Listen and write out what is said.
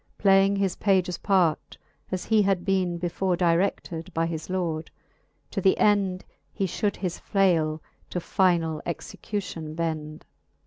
Playing his pages part, as he had beene Before direded by his lord ; to th'end He fhould his flale to finall execution bend.